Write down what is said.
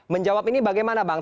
menjawab ini bagaimana bang